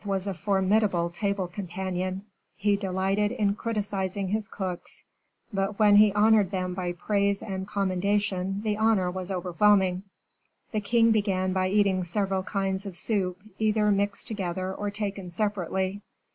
was a formidable table companion; he delighted in criticising his cooks; but when he honored them by praise and commendation, the honor was overwhelming. The king began by eating several kinds of soup, either mixed together or taken separately.